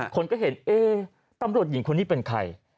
คนก็เห็นเอ๊ตำรวจหญิงคนนี้เป็นใคร